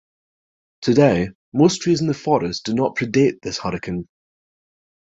Today, most trees in the forest do not predate this hurricane.